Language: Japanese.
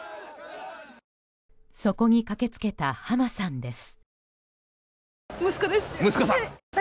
そこに駆けつけた、浜さんです。